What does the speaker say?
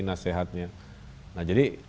nasihatnya nah jadi